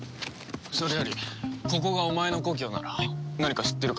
それよりここがお前の故郷なら何か知ってるか？